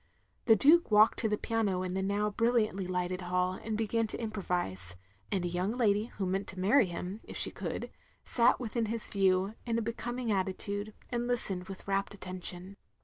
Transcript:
The Duke walked to the piano in the now brilliantly lighted hall, and began to improvise; and a young lady who meant to marry him if she could, sat within his view, in a becoming attitude, and listened with rapt attention.